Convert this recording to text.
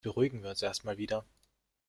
Jetzt beruhigen wir uns erst mal wieder.